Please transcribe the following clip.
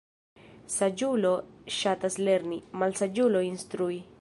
Saĝulo ŝatas lerni, malsaĝulo instrui.